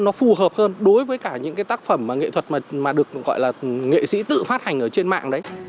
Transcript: nó phù hợp hơn đối với cả những cái tác phẩm nghệ thuật mà được gọi là nghệ sĩ tự phát hành ở trên mạng đấy